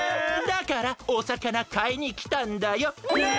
だからおさかなかいにきたんだよ。ね！